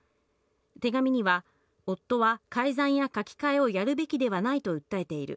手紙には、夫は改ざんや書き換えをやるべきではないと訴えている。